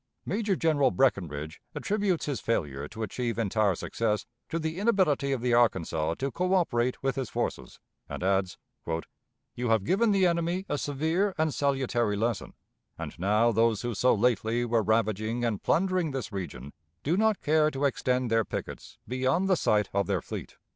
Major General Breckinridge attributes his failure to achieve entire success to the inability of the Arkansas to coöperate with his forces, and adds: "You have given the enemy a severe and salutary lesson, and now those who so lately were ravaging and plundering this region do not care to extend their pickets beyond the sight of their fleet."